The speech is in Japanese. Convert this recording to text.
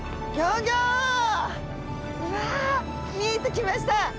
うわ見えてきました！